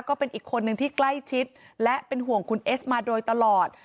ก็เป็นอีกคนนึงที่ใกล้ชิดและเป็นห่วงคุณเอสมาโดยตลอด